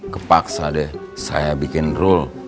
kepaksa deh saya bikin rule